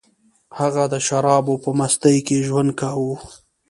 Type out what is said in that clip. هغه د شرابو په مستۍ کې ژوند کاوه